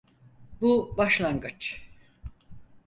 Bu başlangıç.